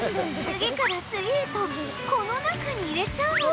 次から次へとこの中に入れちゃうので